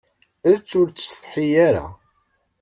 Ečč, ur ttsetḥi ara.